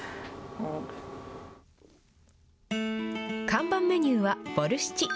看板メニューはボルシチ。